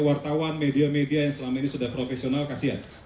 wartawan media media yang selama ini sudah profesional kasihan